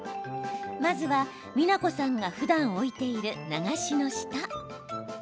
まずは、美奈子さんがふだん置いている流しの下。